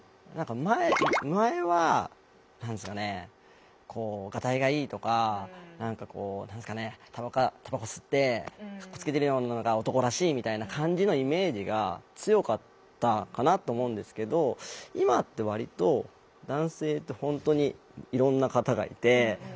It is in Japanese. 前は何ですかねガタイがいいとか何かこうたばこ吸ってかっこつけてるようなのが男らしいみたいな感じのイメージが強かったかなと思うんですけど今って割と男性って本当にいろんな方がいて。